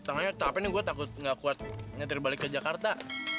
gue tangannya capek nih gue takut nggak kuat nyetir balik ke jakarta